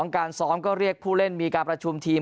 การซ้อมก็เรียกผู้เล่นมีการประชุมทีม